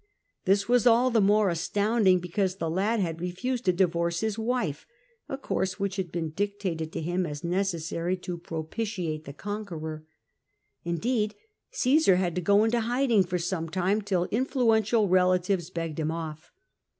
This was all the more astounding because the lad had refused to divorce his wife, a course which had been dictated to him as necessary to propitiate the conqueror. Indeed, Cmsar had to go into hiding for some time, till influential relatives begged him off.